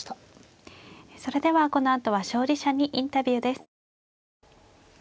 それではこのあとは勝利者にインタビューです。